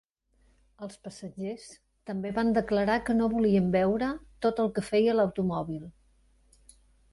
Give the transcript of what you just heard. Els passatgers també van declarar que no volien veure tot el que feia l'automòbil.